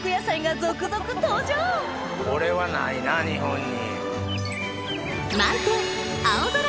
これはないな日本に。